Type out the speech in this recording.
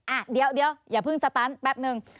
อ่ะเดี๋ยวอย่าเพิ่งสตันแป๊บนึง